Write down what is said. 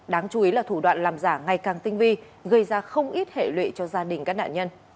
đáng chú ý là thủ đoạn làm giả ngày càng tinh vi gây ra không ít hệ lụy cho gia đình các nạn nhân